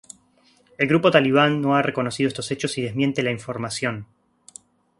El grupo talibán no ha reconocido estos hechos y desmiente la información.